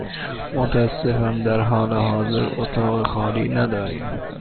متأسفم، در حال حاضر اتاق خالی نداریم.